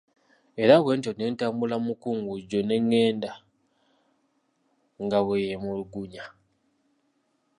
Era bwetyo n'etambula mukungujjo n'egenda nga bweyemulugunya.